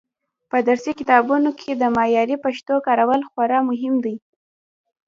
په درسي کتابونو کې د معیاري پښتو کارول خورا مهم دي.